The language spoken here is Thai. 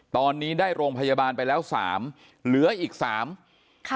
ตอนนี้ได้โรงพยาบาลไปแล้ว๓เหลืออีก๓